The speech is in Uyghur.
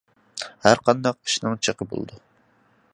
ھەرقانداق ئىشنىڭ چېكى بولىدۇ.